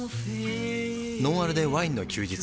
「ノンアルでワインの休日」